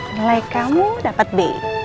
nilai kamu dapat b